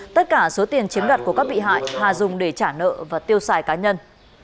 tất cả số tiền chiếm đoạt của các bị hại hà dùng để trả nợ và tiêu xài cá nhân